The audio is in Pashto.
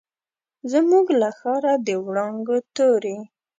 زموږ له ښاره، د وړانګو توري